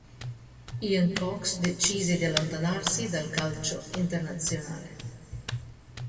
Ian Cox decise di allontanarsi dal calcio internazionale.